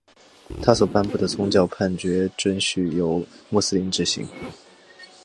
他所颁布的宗教判决准许由穆斯林执行。